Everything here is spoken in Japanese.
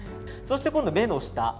そして今度は目の下。